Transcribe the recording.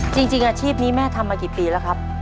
จริงอาชีพนี้แม่ทำมากี่ปีแล้วครับ